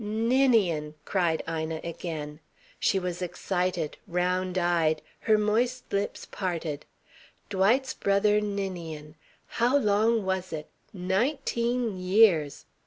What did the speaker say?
"Ninian!" cried Ina again. She was excited, round eyed, her moist lips parted. Dwight's brother Ninian. How long was it? Nineteen years.